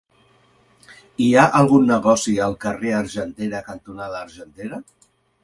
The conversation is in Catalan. Hi ha algun negoci al carrer Argentera cantonada Argentera?